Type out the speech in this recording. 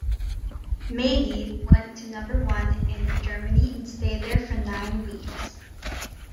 "Maybe" went to number one in Germany and stayed there for nine weeks.